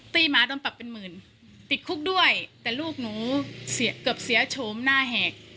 หมาโดนปรับเป็นหมื่นติดคุกด้วยแต่ลูกหนูเสียเกือบเสียโฉมหน้าแหก